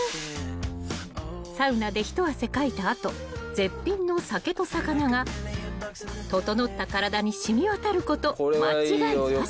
［サウナで一汗かいた後絶品の酒とさかながととのった体に染み渡ること間違いなし］